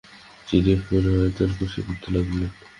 তিনি একমনে আয়াতুল কুরসি পড়তে লাগলেন।